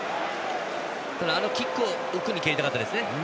ただ、あのキックを奥に蹴りたかったですよね。